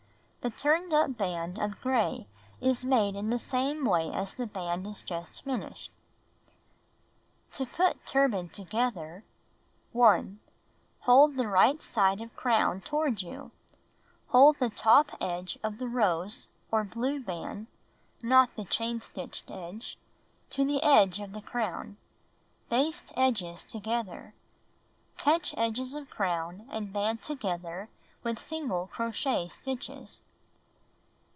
The turned up band of gray is made in the same way as the band just finished. To Put Turhan Together 1. Hold the right side of the crown toward you. Hold the top edge of the rose men in a. rini 102 Knitting and Crocheting Book To mafo or blue band (not the chain stitched edge) to the edge of the crown. Baste edges together. Catch edges of crown and band together with single crochet stitches.